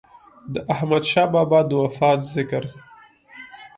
د احمد شاه بابا د وفات ذکر